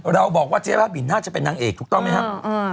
เราบอกว่าเจ๊บ้าบินน่าจะเป็นนางเอกถูกต้องไหมครับ